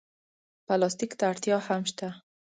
پلاستيک ته اړتیا هم شته.